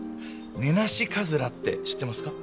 ネナシカズラって知ってますか？